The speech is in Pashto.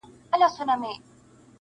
پر خپل اوښ به دې بار سپک سي ښه به ځغلي-